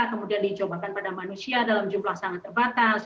kemudian di uji cobakan pada manusia dalam jumlah sangat terbatas